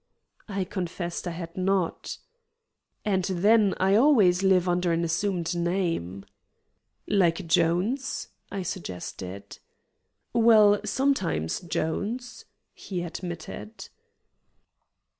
I confessed I had not. "And then, I always live under an assumed name." "Like 'Jones'?" I suggested. "Well, sometimes 'Jones'," he admitted.